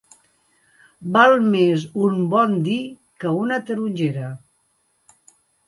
Val més un bon dir que una tarongera.